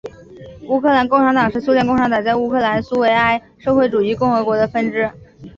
乌克兰共产党是苏联共产党在乌克兰苏维埃社会主义共和国的分支。